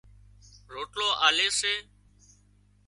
روٽلو آلي سي